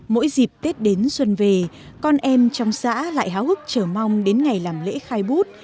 mỗi dịp tết đến xuân về con em trong xã lại háo hức chờ mong đến ngày làm lễ khai bút